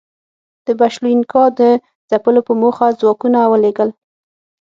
د بلشویکانو د ځپلو په موخه ځواکونه ولېږل.